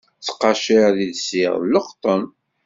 Ttqacer i lsiɣ n leqṭen.